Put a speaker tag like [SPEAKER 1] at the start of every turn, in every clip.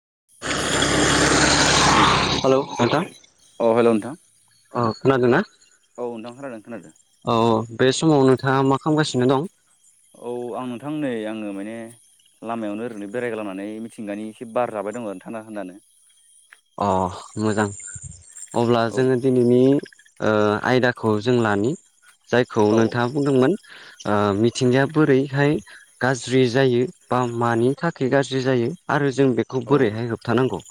[SPEAKER 1] [inaudible] औ
[SPEAKER 2] हेलौ
[SPEAKER 1] अ हेल' नोंथां
[SPEAKER 2] अ खोनादोना?
[SPEAKER 1] औ नोंथां खोनादों खोनादों।
[SPEAKER 2] बे समाव नोंथाङा मा खामगासिनो दं?
[SPEAKER 1] औ आं नोंथां नै आङो माने लामायावनो ओरैनो बेरायग्लांनानै मिथिंगानि इसे बार जाबाय दं आरो थानदा थानदा नो
[SPEAKER 2] अ मोजां अब्ला
[SPEAKER 1] औ
[SPEAKER 2] जोङो दिनैनि ओ आयदाखौ जों लानि जायखौ
[SPEAKER 1] औ
[SPEAKER 2] नोंथाङा बुंदोंमोन ओ मिथिंगाया बोरैहाय गाज्रि जायो बा मानि थाखाय गाज्रि जायो आरो जों बेखौ
[SPEAKER 1] औ
[SPEAKER 2] बोरैहाय होबथानांगौ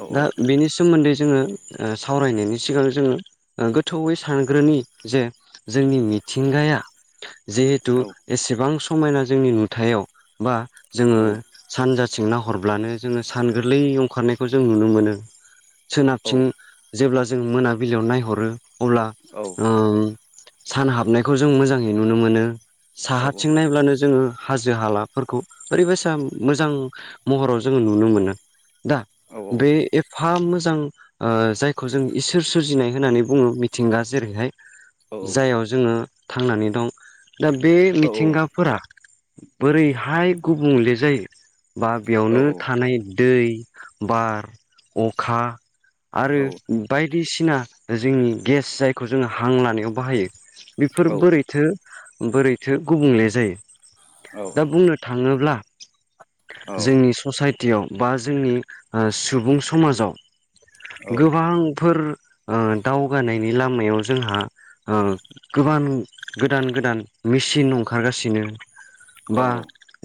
[SPEAKER 1] औ
[SPEAKER 2] दा बिनि सोमोन्दै जोङो ओ सावरायनायनि सिगां जोङो ओ गोथौयै सानग्रोनि जे जोंनि मिथिंगाया जिहेथु
[SPEAKER 1] औ
[SPEAKER 2] एसेबां समायना जोंनि नुथायाव बा जोङो
[SPEAKER 1] औ
[SPEAKER 2] सानजा थिं नाहरब्लानो जोङो सान गोरलै ओंखारनायखौ जों नुनो मोनो सोनाबथिं जेब्ला जों मोनाबिलियाव नायहरो अब्ला‌
[SPEAKER 1] औ
[SPEAKER 2] उम सान हाबनायखौ जों मोजाङै नुनो मोनो साहाथिं नायब्लानो जोङो हाजो हालाफोरखौ ओरैबायसा मोजां महराव जोङो नुनो मोनो दा
[SPEAKER 1] औ
[SPEAKER 2] बे एफा मोजां ओ जायखौ जों इसोर सोरजिनाय होननानै बुङो मिथिंगा जेरैहाय
[SPEAKER 1] औ औ
[SPEAKER 2] जाययाव जोङो थांनानै दं दा बे
[SPEAKER 1] औ
[SPEAKER 2] मिथिंगाफोरा बोरैहाय गुबुंले जायो बा बेयावनो
[SPEAKER 1] औ
[SPEAKER 2] थानाय दै बार अखा आरो बायद दिसिना जोंनि गेस जायखौ जोङो हां लानायाव बाहायो बेफोर बोरैथो बोरैथो गुबुंले जायो दा बुंनो थाङोब्ला जोंनि ससाइटियाव बा जोंनि ओ सुबुं समाजाव गोबांफोर ओ दावगानायनि लामायाव जोंहा गोबान गोदान गोदान मेसिन ओंखारगासिनो बा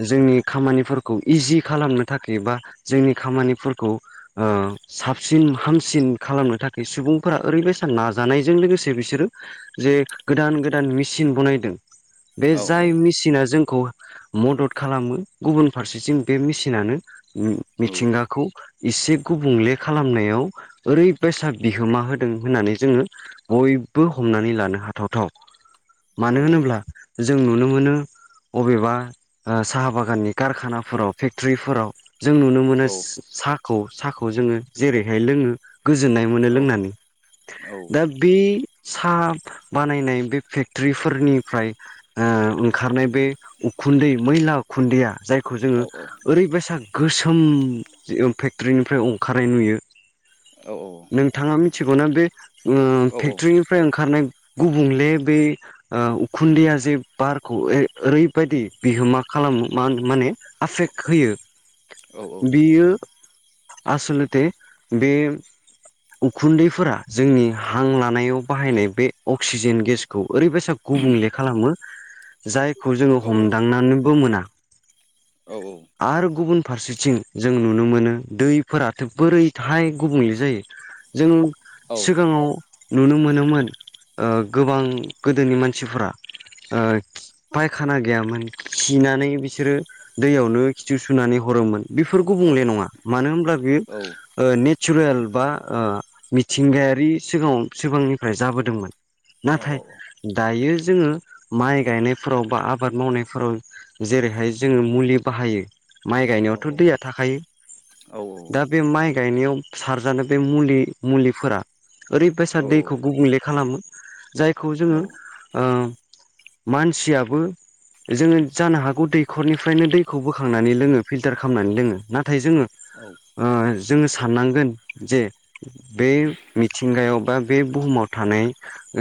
[SPEAKER 2] जोंनि खामानिफोरखौ इजि खालामनो थाखाय बा जोंनि खामानि फोर खौ ओ साबसिन हामसिन खालामनो थाखाय सुबुंफोरा ओरैबायसा नाजानायजों लोगोसे से बिसोरो जे गोदान गोदान मेचसन बनायदों बे जाय मेसिना जों खौ मदद खालामो गुबुन फारसेथिं बे मेसिनानो मिथिंगाखौ एसे गुबुंले खालामनायाव ओरैबायसा बिहोमा होदों होननानै जोङो बयबो बेबो हमनानै लानो हाथावथाव मानो होनोब्ला जों नुनो मोनो अबेबा ओ साहा बागाननि कारखानाफोराव फेक्टरिफोराव जों नुनो मोनो साहाखौ साहाखौ जोङो जेरैहाय लोङो गोजोननाय मोनो लोंनानै दा बे साहा बानायनाय बे फेक्टरिफोरनिफ्राय ओ ओंखारनाय बे खुन्दै मैला उखुन्दैया जाय खौ जोङो ओरैबायसा गोसोम फेक्टरिनिफ्राय ओंखारनाय नुयो नोंथाङा मिथिगौना बे ओ फेक्टरिनिफ्राय ओंखारनाय गुबुंले बे ओ उखुन्दैया जे बारखौ ए ओरैबायदि बिहोमा खा खालामो मा माने आफेक्ट होयो बियो आसलथे बे उखुन्दैफोरा जोंनि हां लानायाव बाहायनाय बे अक्सिजेन गेसखौ ओरैबायसा गुबुंले खालामो जायखौ जोङो हमदांनानैबो मोना आरो गुबुन फारसेथिं जों नुनो मोनो दैफोराथ बोरैथाय गुबुंले जायो जों सिगाङाव नुनो मोनोमोन ओ गोबां गोदोनि मानसिफोरा ओ फायखाना गैयामोन खिनानै बिसोरो दैयावनो खिथु सुनानै हरोमोन। बेफोरखौ गुबुंले नङा मानो होनब्ला बेयो
[SPEAKER 1] औ
[SPEAKER 2] ओ ने सुरेल बा ओ मिथिंगायारि सिगाङाव सिगांनिफ्राय जाबोदोंमोन।
[SPEAKER 1] औ
[SPEAKER 2] नाथाय
[SPEAKER 1] औ
[SPEAKER 2] दायो जोङो माइ गायनायफ्राव बा आबाद मावनायफोराव जेरैहाय जोङो मुलि बाहायो माइ
[SPEAKER 1] औ
[SPEAKER 2] गायनायावथ दैया थाखायो
[SPEAKER 1] औ औ
[SPEAKER 2] दा बे माइ गायनायाव सारजानो बे मुलि मुलिफोरा ओरैबायसा दैखौ गुबुंले खालामो जायखौ जोङो ओ मानसियाबो जोङो जानो हागौ दैखरनिफ्रायनो दैखौ बोखांनानै लोङो फिल्टार खालामनानै लोङो ना थाय जोङो ओ जोङो साननांगोन जे बे मिथिंगायाव बा बे बुहुमाव थानाय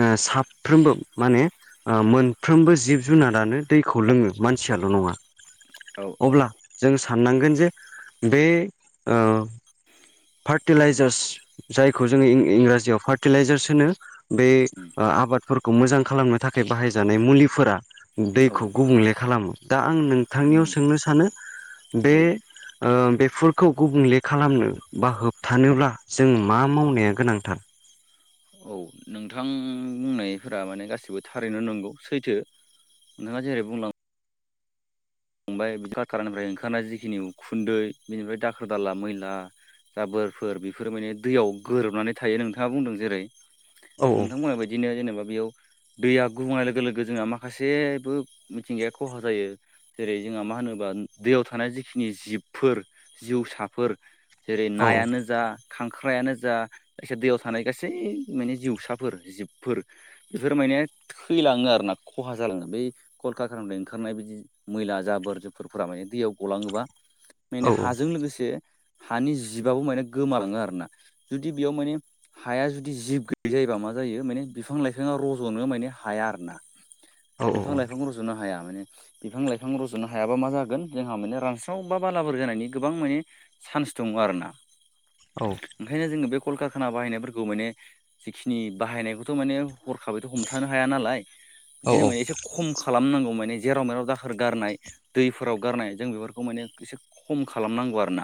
[SPEAKER 2] ओ साफ्रोमबो माने ओ मोनफ्रोमबो जिब जुनारा नों दैखौ लोङो मानसियाल नङा अब्ला जों साननांगोन जे बे ओ फार्टिलाइजार्स जायखौ जोङो इंराजियाव फार्टिलाइजार्स होनो। बे ओ आबादफोरखौ मोजां खालामनो थाखाय बाहायजानाय मुलिफोरा दैखौ गुबुंले खालामो दा आं नोंथांनियाव सोंनो सानो बे ओ बेफोरखौ गुबुंले खालामनो बा होबथानोब्ला जों मा मावनाया गोनांथार [inaudible]
[SPEAKER 1] औ नोंथां बुंनायफोरा माने गासिबो थारैनो नंगौ सैथो नोङा जेरै बुंलां बाय खारखानानिफ्राय ओंखारनाय जिखिनि उखुन्दै बिनिफ्राय दाखोर दाला मैला जाबोरफोर बेफोर माने दैयाव गोरोबनानै थायो नोंथाङा बुंदों जेरै।
[SPEAKER 2] औ
[SPEAKER 1] नोंथां बुंनाय बायदिनो जेनेबा बेयाव दैया गुबुंनाय लोगो लोगो जोंना माखासेबो मिथिंगाया खहा जायो। जेरै जोंहा मा होनोबा दैयाव थानाय जिखिनि जिबफोर जिउसाफोर जेरै
[SPEAKER 2] औ
[SPEAKER 1] नायानो जा खां ख्रायानो जा खायसे दैयाव थानाय गासै माने जिउसाफोर जिबफोर बेफोर माने थैलाङो आरो ना खहा जालाङो बै कलकारखानानिफ्राय ओंखारनाय बिदि मैला जाबोर जुबोरफोरा माने दैयाव गलाङोबा
[SPEAKER 2] औ
[SPEAKER 1] माने हाजों लोगोसे हानि जिबाबो माने गोमालाङो आरोना। जुदि बेयाव माने हाया जुदि जिब गैयै जायोबा मा जायो माने बिफां लाइफाङा रजनो माने हाया आरोना। बिफां लाइफांखौ रज'नो हाया माने बिफां लाइफां रज'नो हायाबा मा जागोन जोंहा माने रानस्राव बा बालाबारि जानायनि गोबां माने चान्स दङ आरोना।
[SPEAKER 2] औ
[SPEAKER 1] ओंखायनो जोङो बे कलकारखाना बाहायनायफोरखौ माने जिखिनि बाहायनायखौथ' माने हरखाबैथ' हमथानो हाया नालाय। ओंखायनो माने एसे खम खालामनांगौ माने जेराव मेराव दा दाखोर गारनाय दैफोराव गारनाय जों बेफोरखौ माने एसे खम खालामनांगौ आरोना।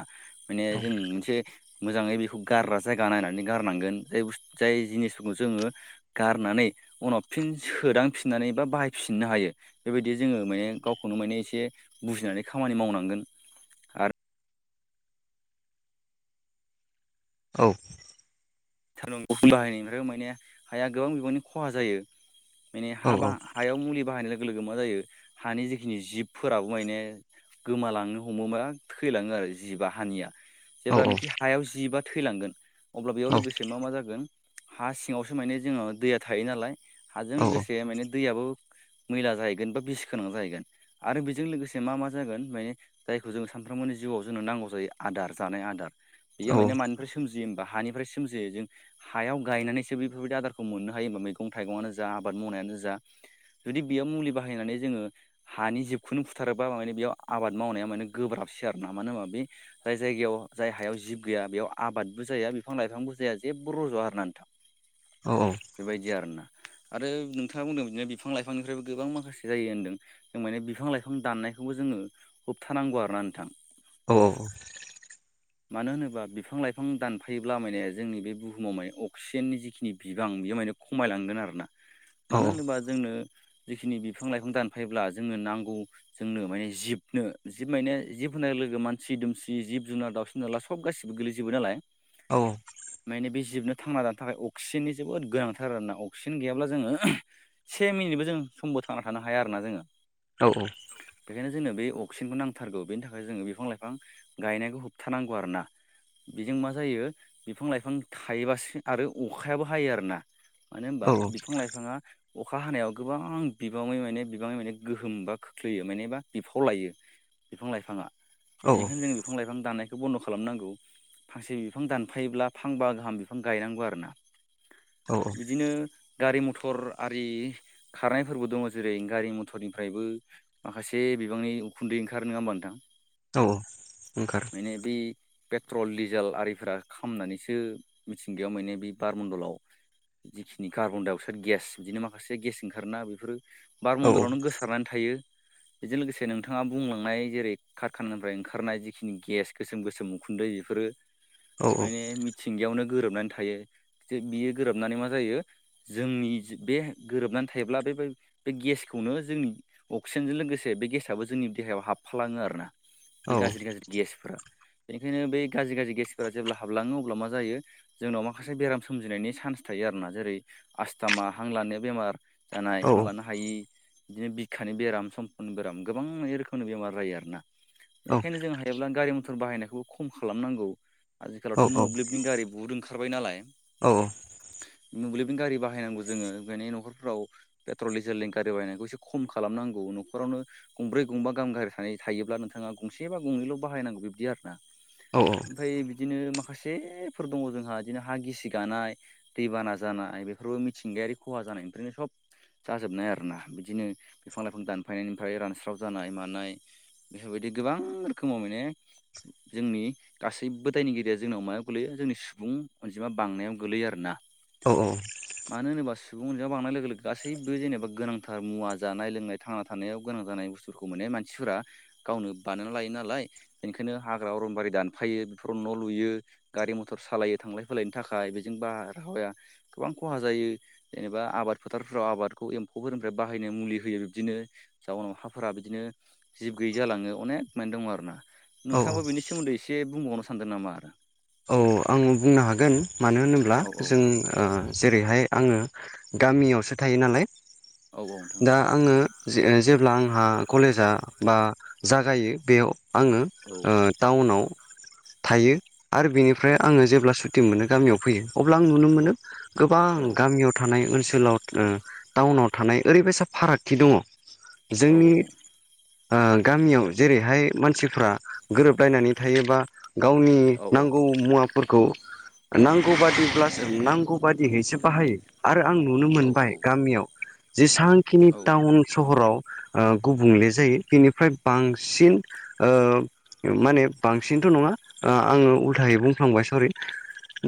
[SPEAKER 1] माने जों मोनसे मोजाङै बेखौ गारग्रा जायगा नायनानै गारनांगोन जाय बुस जाय जिनिसफोरखौ जोङो गारनानै उनाव फिन सोदांफिननानै बा बाहायफिननो हायो, बेबायदि जोङो माने गावखौनो माने एसे बुजिनानै खामानि मावनांगोन आरो।
[SPEAKER 2] औ।
[SPEAKER 1] [unintelligible] बाहायनायनिफ्राय माने हाया गोबां बिबांनि खहा जायो। माने हा बा हायाव मुलि बाहायनाय लोगो लोगो लोगो मा जायो हानि जिखिनि जिबफोराबो माने गोमालांनो हमोबा थैलाङो आ रो जिबा हानिया। जेब्लानाखि हायाव जिबा थैलांगोन अब्ला बेयाव लोगोसे गोन हा सिङावसो माने जोङो दैया थायो नालाय हाजों लोगोसे माने दैआबो मैला जाहैगोन बा बिसि गोनां जाहैगोन आरो बेजों लोगोसे मा मा जागोन माने जायखौ जों सान फ्रोमनि जिउआव जोंनो नांगौ जायो आदार जानाय आदार। बेयो माने मानिफ्राय सोमजियो होमबा हानिफ्राय सोमजियो। जों हायाव गायनानैसो बेफोरबायदि आदारखौ मोननो हायो होमबा मैगं थाइगङानो जा आबाद मावनायानो जा जुदि बेयाव मुलि बाहायनानै जोङो हानि जिबखौनो फुथारोबा माने बेयाव आबाद मावनाया माने गोब्राब सै आरोना। मानो होनोबा बे जाय जायगायाव जाय हायाव जिब गैया बेयाव आबादबो जाया बिफां लाइफांबो जाया जेबो रज'आ आरोना नोंथां, बेबायदि आरोना। आरो नोंथाङा बुंदों बिदिनो बिफां लाइफांनिफ्रायबो गोबां माखासे जायो होन्दों। जों माने बिफां लाइफां दाननाय खौबो जोङो होबथानांगौ आरोना नोंथां।
[SPEAKER 2] अह।
[SPEAKER 1] मानो होनोबा बिफां लाइफां दानफायोब्ला माने जोंनि बे बुहुमाव माने अक्सिजेननि जिखिनि बिबां बेयो माने खमायलांगोन आरोना। मानो होनोबा जोंनो जिखिनि बिफां लाइफां दानफायोब्ला जोंनो नांगौ जोंनो माने जिबनो जिब माने जिब होनाय लोगो लोगो मानसि दुमसि, जिब जुनार, दाउसिन दाला सब गासिबो गोलैजोबो नालाय।
[SPEAKER 2] औ।
[SPEAKER 1] माने बे जिबनो थांना दानो थाखाय अक्सिजेननि जोबोद गोनांथार आरोना। अक्सिजेन गैयाब्ला जोङो से मिनिटबो जों समबो थांना थानो हाया आरोना जोङो। बेखायनो जोंनो बे अक्सिजेनखौ नांथारगौ। बेनि थाखाय जोङो बिफां लाइफां गायनायखौ होबथानांगौ आरोना। बेजों मा जायो बिफां लाइफां थायोबासो आरो अखायाबो हायो आरोना। मानो होनबा बिफां लाइफाङा अखा हानायाव गोबां बिबाङै माने बिबाङै माने गोहोम बा खोख्लैयो माने बा बिफाव लायो। बिफां लाइफाङा।
[SPEAKER 2] औ
[SPEAKER 1] बेनिखायनो जों बिफां लाइफां दाननायखौ बन्द' खालामनांगौ। फांसे बिफां दान फायोब्ला फांबा गाहाम बिफां गायनांगौ आरोना।
[SPEAKER 2] औ
[SPEAKER 1] बिदिनो गारि मथर आरि खारनायफोरबो दङ जेरै गारि मथरनिफ्रायबो माखासे बिबांनि उन्दै ओंखारो नङा होनबा नोंथां।
[SPEAKER 2] औ ओंखारो।
[SPEAKER 1] माने बे पेट्रल डिजेल आरिफोरा खामनानैसो मिथिंगायाव माने बे बारमण्डलाव जिखिनि कार्बन डाइ अक्साइद गेस बिदिनो माखासे गेस ओंखारोना बेफोरो बार
[SPEAKER 2] औ
[SPEAKER 1] मन्दलावनो गोसारनानै थायो। बेजों लोगोसे नोंथाङा बुंलांनाय जेरै कारखानानिफ्राय ओंखारनाय जिखिनि गेस गोसोम गोसोम उखुन दै बेफोरो
[SPEAKER 2] औ
[SPEAKER 1] माने मिथिंगायावनो गोरोबनानै थायो बियो गोरोबनानै मा जायो जोंनि बे गोरोबनानै थायोब्ला बेबाय बे गेसखौनो जोंनि अक्सिजेनजों लोगोसे बे गेसाबो जोंनि देहायाव हाबफालाङो आरोना।
[SPEAKER 2] औ
[SPEAKER 1] बे गाज्रि गाज्रि गेसफोरा बेनिखायनो बे गाज्रि गाज्रि गेसफोरा जेब्ला हाबलाङो अब्ला मा जायो जोंनाव माखासे बेराम सोमजिनायनि सान्स थायो आरोना जेरै आस्थामा हां लानाया बेमार जानाय
[SPEAKER 2] औ
[SPEAKER 1] हां लानो हायि बिदिनो बिखानि बेराम सम्पनि बेराम गोबां बे रोखोमनि बेमार जायो आरोना।
[SPEAKER 2] औ
[SPEAKER 1] बेनिखायनो जों हायोब्ला गारि मथर बाहायनायखौबो खम खालामनांगौ। आजिखालावथ' मोब्लिबनि गारि बुहुद ओंखारबाय नालाय
[SPEAKER 2] औ
[SPEAKER 1] मोब्लिबनि गारि बाहायनांगौ जोङो बेनो न'खरफ्राव पेट्रल डिजेलनि गारि बाहायनायखौ एसे खम खालामनांगौ। न'खरावनो गंब्रै गंबा गाहाम गारि सानाय थायोब्ला नोंथाङा गंसे बा गंनैल' बाहायनांगौ बिब्दि आरोना। ओमफ्राय बिब दिनो माखासेफोर दङ जोंहा बिदिनो हा गिसि गानाय दै बाना जानाय बेफोरबो मिथिंगायारि खहा जानाय ओमफ्रायनो सब जाजोबनाय आरोना बिदिनो बिफां लाइफां दानफायनायनिफ्राय रानस्राव जानाय मानाय बेफोरबायदि गोबां रोखोमाव माने जोंनि गासैबो दायनिगिरिया जोंनाव मायाव गोलैयो जोंनि सुबुं अनजिमा बांनायाव गोलैयो आरोना।
[SPEAKER 2] औ औ।
[SPEAKER 1] मानो होनोबा सुबुं अनजायाव बांनाय लोगो गासैबो जेनेबा गोनांथार मुवा जानाय लोंनाय थांना थानायाव गोनां जानाय बुस्थु फोरखौ मोननाय मानसिफोरा गावनो बानायना लायो नालाय बेनिखायनो हाग्रा अरनबारि दानफायो बेफोराव न' लुयो गारि मथर सालायो थांलाय फैलायनि थाखाय बेजों बारहावाया गोबां खहा जायो। जेनेबा आबाद फोथारफ्राव आबादखौ एम्फौफोरनिफ्राय बाहायनो मुलि होयो बिदिनो जाउनाव हा फोरा बिदिनो जिब गैयै जालाङो अनेक माने दङ आरोना।
[SPEAKER 2] औ
[SPEAKER 1] नोंथाङाबो बेनि सोमोन्दै एसे बुंबावनो सानदों नामा?
[SPEAKER 2] औ आं बुंनो हागोन मानो होनोब्ला
[SPEAKER 1] औ औ
[SPEAKER 2] जों ओ जेरैहाय आङो गामियावसो थायो नालाय
[SPEAKER 1] औ औ नोंथां औ
[SPEAKER 2] दा आङो जे-जेब्ला आंहा कलेजआ बा जागायो बेयाव आङो
[SPEAKER 1] औ
[SPEAKER 2] ओ टाउनाव थायो आरो बेनिफ्राय फ्राय आङो जेब्ला सुत मोनो गामियाव फैयो अब्ला आं नुनो मोनो गोबां
[SPEAKER 1] औ
[SPEAKER 2] गामियाव थानाय ओनसोल ओनसोलाव टाउनाव थानाय ओरैबायसा फारागथि दङ
[SPEAKER 1] औ
[SPEAKER 2] जोंनि
[SPEAKER 1] औ
[SPEAKER 2] ओ गामियाव जेरैहाय मानसिफ्रा गोरोबलायनानै थायोबा गावनि
[SPEAKER 1] औ
[SPEAKER 2] नांगौ मुवाफोरखौ नांगौ बादिब्लासो नांगौ बादियैसो बाहायो। आरो आं नुनो
[SPEAKER 1] औ
[SPEAKER 2] मोनबाय गामियाव जेसांखिनि टाउन सहराव ओ गुबुंले जायो बेनिफ्राय बांसिन ओ माने बांसिन ल' नङा ओ आं उल्थायै बुंफ्लांबाय सरि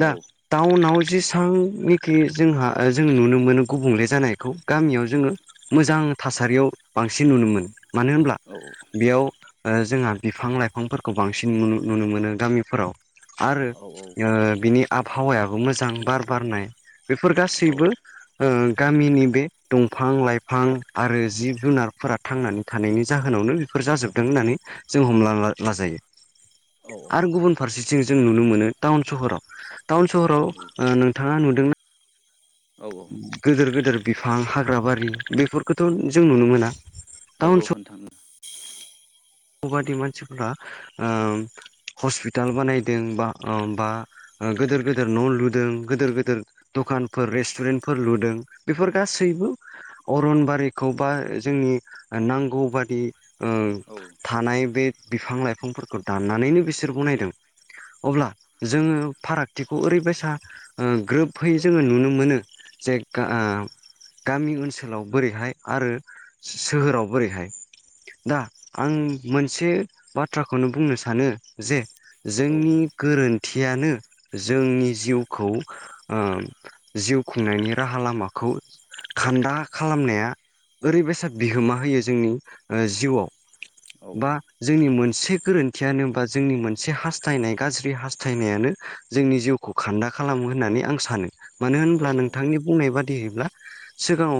[SPEAKER 2] दा ताउनाव जेसांनिखि जोंहा ओ जों नुनो मोनो गुबुंले जानायखौ गामियाव जोङो मोजां थासारियाव बांसिन नुनो मोनो मानो होनब्ला बेयाव ओ जोंहा बिफां लाइफांफोरखौ बांसिन नुनो मोनो गामिफोराव आरो बिनि ओ आबहावायाबो मोजां बार बारनाय बेफोर
[SPEAKER 1] औ
[SPEAKER 2] गासैबो ओ गामिनि बे दंफां लाइफां आरो जिब जुनारफोरा थांनानै थानायनि जाहोनावनो बेफोर जाजोबदों होननानै जों हमला ला-लाजायो। आरो गुबुन फारसेथिं जों नुनो मोनो टाउन सहराव टाउन सहराव ओ नोंथाङा नुदोंना?
[SPEAKER 1] औ
[SPEAKER 2] गोदोर गोदोर बिफां हाग्रा बारि बेफोर खौथ' जों नुनो मोना।
[SPEAKER 1] औ औ होन थाङो।
[SPEAKER 2] ग बादि मानसि फोरा ओ हस्पिटाल बानायदों बा बा गिदिर गिदिर न' लुदों गिदिर गिदिर दुखान फोर रेस्टुरेन्ट फोर लुदों बेफोर गासैबो अरनबारिखौ बा जोंनि नांगौ बादि ओ
[SPEAKER 1] औ
[SPEAKER 2] नाय बे बिफां लाइफां फोरखौ दानना नैनो बिसोर बनायदों। अब्ला जोङो फारागथिखौ ओरै बायसा ग्रोबहै जोङो नुनो मोनो। जे गा आ गामि ओनसोलाव बोरैहाय आरो सोहोराव बोरैहाय दा आं मोनसे बाथ्राखौनो बुंनो सानो जे
[SPEAKER 1] औ
[SPEAKER 2] जोंनि गोरोन्थि यानो जोंनि जिउखौ जिउ खुंनायनि राहा लामाखौ खान्दा खालामनाया ओरै बायसा बिहोमा होयो जोंनि जिउआव।
[SPEAKER 1] औ औ
[SPEAKER 2] बा जोंनि मोन मोनसे गोरोन्थियानो बा जोंनि मोनसे हास्थायनाय गाज्रि हास्थायनायानो जोंनि जिउखौ खान्दा खालामो होननानै आं सानो मानो होनब्ला नोंथांनि बुंनाय बादियैब्ला सिगाङाव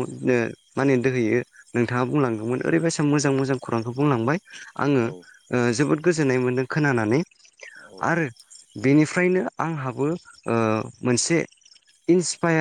[SPEAKER 2] माने दिनैयो नोंथाङा बुंलांगौमोन ओरै बायसा मोजां मोजां खौरां बेखौ बुंलांबाय आङो
[SPEAKER 1] औ
[SPEAKER 2] ओ जोबोद गोजोननाय मोनदों खोनानानै।
[SPEAKER 1] औ औ
[SPEAKER 2] आरो बेनिफ्रायनो आं हाबो ओ मोनसे इन्सपायार